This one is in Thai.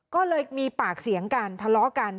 ก็เลยมีปากเสียงกันทะเลาะกัน